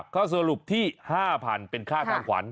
ก็สรุปที่ห้าพันเป็นค่าทางขวัญ